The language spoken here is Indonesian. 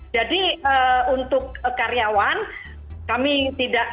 jadi untuk karyawan kami tidak